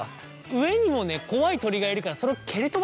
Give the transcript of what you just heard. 上にもね怖い鳥がいるからそれを蹴り飛ばすんだよね。